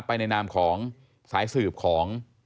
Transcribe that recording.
ไปในนามของสายสืบของ